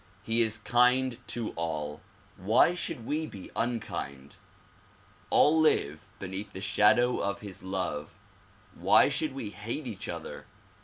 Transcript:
He is kind to all ; why should we be unkind ? All live beneath the shadow of his love; why should we hate each other?